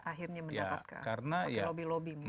akhirnya mendapatkan lobby lobby